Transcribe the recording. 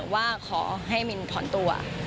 ว่าขอให้มินถอนตัว